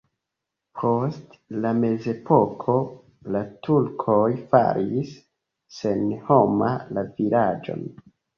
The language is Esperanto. Post la mezepoko la turkoj faris senhoma la vilaĝon.